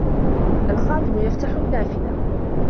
الْخَادِمُ يَفْتَحُ النَّافِذَةَ.